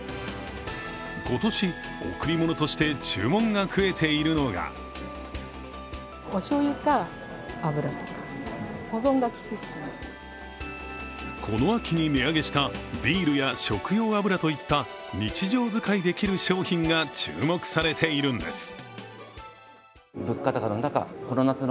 今年、贈り物として注文が増えているのがこの秋に値上げしたビールや食用油といった日常使いできる商品が注目されているんです。